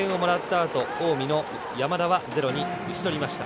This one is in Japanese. あと近江の山田はゼロに打ち取りました。